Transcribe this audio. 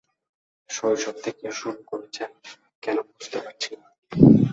শৈশব থেকে শুরু করেছেন কেন বুঝতে পারছিনা।